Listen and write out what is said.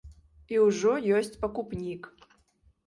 І ўжо ёсць пакупнік.